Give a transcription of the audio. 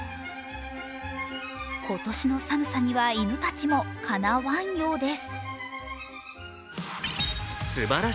今年の寒さには犬たちもかなワンようです。